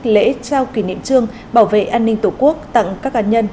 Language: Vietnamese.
lễ trao kỷ niệm trương bảo vệ an ninh tổ quốc tặng các hạt nhân